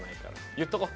言っとこう。